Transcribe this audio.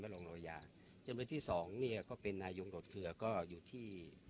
ไม่รองโรงอาญาจนเป็นที่สองเนี้ยก็เป็นนายยุงโรดเครือก็อยู่ที่